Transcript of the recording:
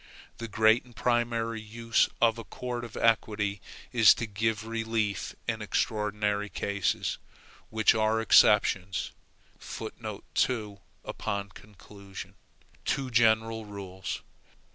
The great and primary use of a court of equity is to give relief in extraordinary cases, which are exceptions(2) to general rules.